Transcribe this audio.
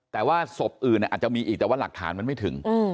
แต่ว่าศพอื่นอาจจะมีอีกแต่ว่าหลักฐานมันไม่ถึง